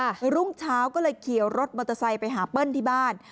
รุ่งเช้าก็เลยขี่รถมอเตอร์ไซค์ไปหาเปิ้ลที่บ้าน